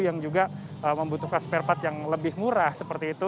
yang juga membutuhkan spare part yang lebih murah seperti itu